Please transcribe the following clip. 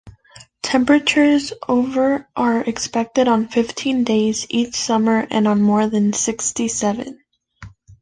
Temperatures over are expected on fifteen days each summer and on more than sixty-seven.